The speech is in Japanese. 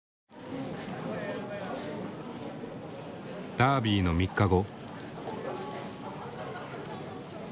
ダービーの３日後。